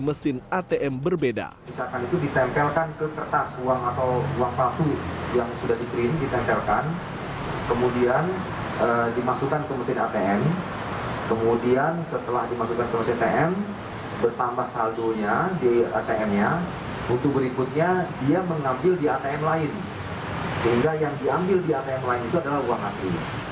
sehingga yang diambil di atm lain itu adalah uang asli